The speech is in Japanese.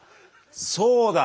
そうだ。